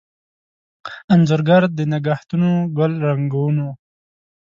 انځورګر دنګهتونوګل رنګونو